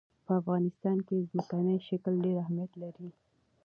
په افغانستان کې ځمکنی شکل ډېر اهمیت لري.